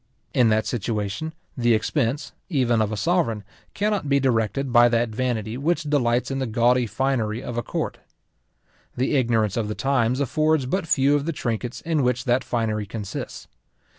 In that situation, the expense, even of a sovereign, cannot be directed by that vanity which delights in the gaudy finery of a court. The ignorance of the times affords but few of the trinkets in which that finery consists.